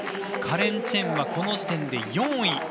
カレン・チェンはこの時点で４位。